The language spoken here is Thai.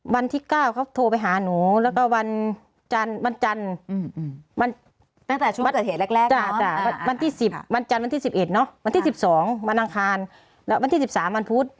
วันที่เก้าเขาโทรไปหาหนูแล้วก็วันจันทร์วันจันทร์วันจันทร์วันที่สิบวันจันทร์วันที่สิบเอ็ดเนาะวันที่สิบสองวันอังคารแล้ววันที่สิบสามวันพุธ